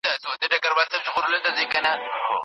دوی به د غوښتنو د مغلوبولو لپاره له صبر څخه ګټه اخیسته.